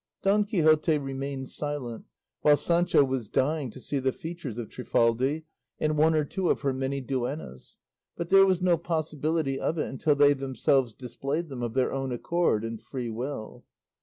Don Quixote remained silent, while Sancho was dying to see the features of Trifaldi and one or two of her many duennas; but there was no possibility of it until they themselves displayed them of their own accord and free will.